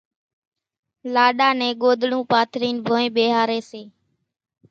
لاڏا نين ڳوۮڙون پاٿرينَ ڀونئين ٻيۿاريَ سي۔